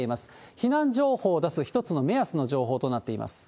避難情報を出す一つの目安の情報となっています。